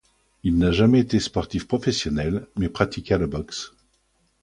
Il n'a jamais été sportif professionnel, mais pratiqua la boxe.